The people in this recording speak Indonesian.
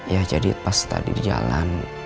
ya jadi pas tadi di jalan